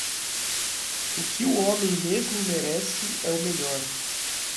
O que o homem mesmo merece é o melhor.